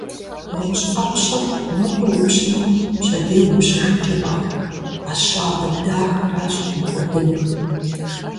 ГъущӀ Ӏэпщэ, нобэ упщмэ, пщэдей умыпщыжынкӀэ мэхъу. Ӏэщагъэ дахэращ мыкӀуэдынур!